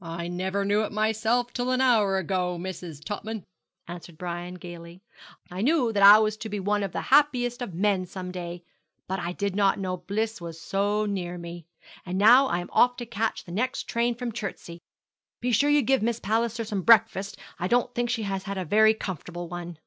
'I never knew it myself till an hour ago, Mrs. Topman, answered Brian, gaily. 'I knew that I was to be one of the happiest of men some day; but I did not know bliss was so near me. And now I am off to catch the next train from Chertsey. Be sure you give Miss Palliser some breakfast; I don't think she has had a very comfortable one.'